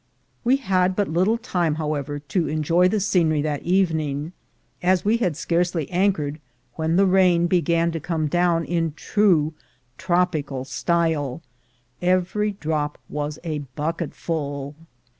We had but little time, however, to enjoy the scenery that evening, as we had scarcely anchored when the rain began to come down in true tropical style ; every drop was a bucketful.